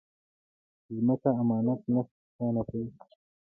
ځمکه امانت نه خیانتوي